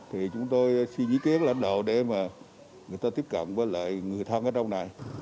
thì chúng tôi suy nghĩ kiến lãnh đạo để mà người ta tiếp cận với lại người thân ở trong này